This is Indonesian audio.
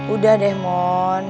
udah deh mon